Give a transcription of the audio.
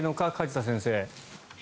梶田先生。